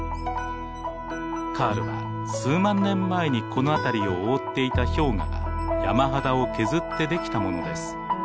カールは数万年前にこの辺りを覆っていた氷河が山肌を削ってできたものです。